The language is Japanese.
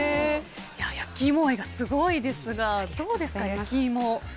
焼き芋愛がすごいですがどうですか、焼き芋。